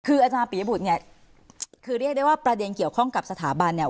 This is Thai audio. คืออาจารย์ปียบุตรเนี่ยคือเรียกได้ว่าประเด็นเกี่ยวข้องกับสถาบันเนี่ย